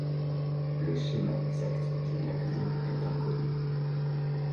Le schéma exact du navire est inconnu.